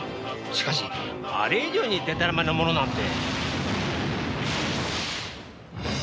しかしあれ以上にでたらめなものなんて。